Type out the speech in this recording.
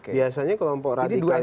biasanya kelompok radikal ini akan muncul